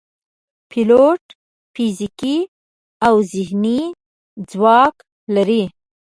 پیلوټ فزیکي او ذهني ځواک لري.